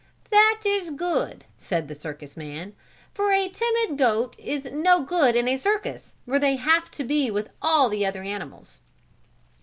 "That is good," said the circus man, "for a timid goat is no good in a circus where they have to be with all the other animals."